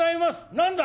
「何だ？」。